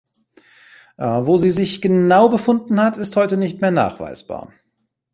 Wo sie sich genau befunden hat, ist heute nicht mehr nachweisbar.